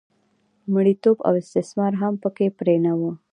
مریتوب او استثمار هم په کې پرېنه و.